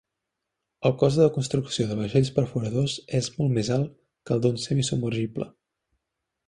El cost de construcció de vaixells perforadors és molt més alt que el d'un semi-submergible.